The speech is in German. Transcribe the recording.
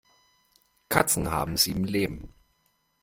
Katzen haben sieben Leben.